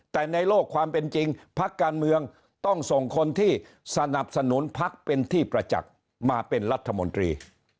แต่ในโลกความเป็นจริงพักการเมืองต้องส่งคนที่สนับสนุนพักเป็นที่ประจักษ์มาเป็นรัฐมนตรี